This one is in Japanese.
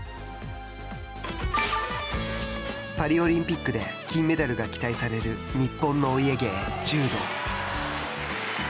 パリオリンピックで金メダルが期待される日本のお家芸、柔道。